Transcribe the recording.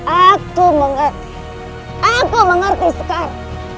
aku mengerti aku mengerti sekarang